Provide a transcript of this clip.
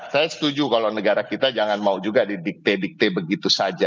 saya setuju kalau negara kita jangan mau juga didikte dikte begitu saja